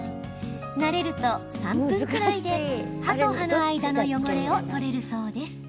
慣れると３分くらいで、歯と歯の間の汚れを取れるそうです。